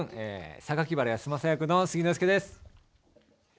榊原康政役の杉野遥亮です。